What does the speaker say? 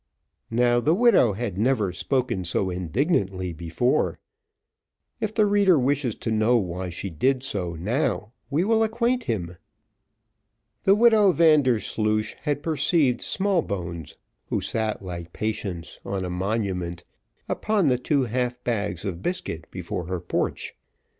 Now the widow had never spoken so indignantly before: if the reader wishes to know why she did so now, we will acquaint him; the widow Vandersloosh had perceived Smallbones, who sat like Patience on a monument, upon the two half bags of biscuit before her porch.